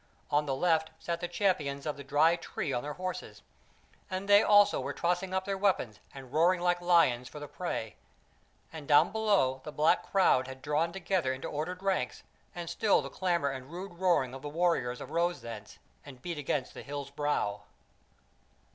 On the left sat the Champions of the Dry Tree on their horses, and they also were tossing up their weapons and roaring like lions for the prey; and down below the black crowd had drawn together into ordered ranks, and still the clamour and rude roaring of the warriors arose thence, and beat against the hill's brow.